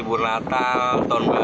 ini rame enam nya kapan pak